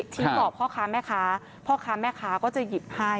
สอบพ่อค้าแม่ค้าพ่อค้าแม่ค้าก็จะหยิบให้